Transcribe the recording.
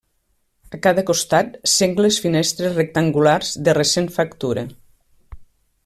A cada costat sengles finestres rectangulars de recent factura.